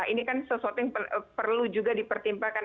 ini kan sesuatu yang perlu juga dipertimbangkan